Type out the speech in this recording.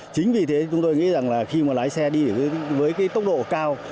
chính vì thế chúng tôi nghĩ rằng khi lái xe đi với tốc độ cao